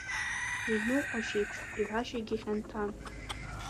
Иныҟәашьеиԥш иҳәашьагьы хьанҭан.